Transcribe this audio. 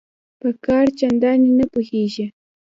په کار چنداني نه پوهیږي